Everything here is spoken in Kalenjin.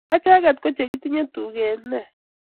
acheket ko chekitinye tuget, nee!